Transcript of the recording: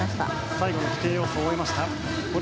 最後の規定要素を終えました。